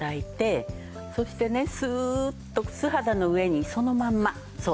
そしてねスーッと素肌の上にそのまんまそう。